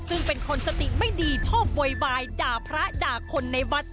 ซึ่งเป็นคนสติไม่ดีชอบโวยวายด่าพระด่าคนในวัด